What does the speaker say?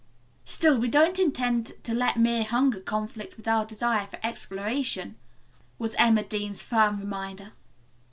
"Still we don't intend to let mere hunger conflict with our desire for exploration," was Emma Dean's firm reminder.